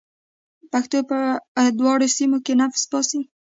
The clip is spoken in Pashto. پښتو په دواړو سیمه کې نفس باسي.